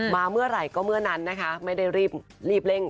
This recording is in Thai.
เมื่อไหร่ก็เมื่อนั้นนะคะไม่ได้รีบเร่ง